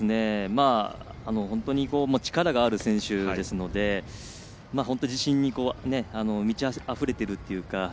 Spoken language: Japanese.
本当に力がある選手ですので本当に自信に満ちあふれてるっていうか。